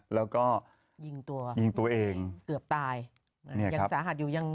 แล้วก็ยิงตัวเองเกือบตาย